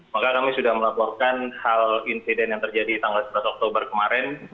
maka kami sudah melaporkan hal insiden yang terjadi tanggal sebelas oktober kemarin